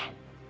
bu sebentar ya